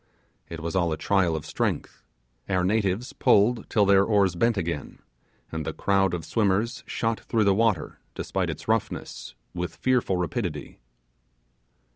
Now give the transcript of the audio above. It was all a trial of strength; our natives pulled till their oars bent again, and the crowd of swimmers shot through the water despite its roughness, with fearful rapidity.